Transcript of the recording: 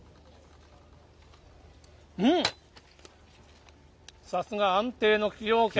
うん、さすが安定の崎陽軒。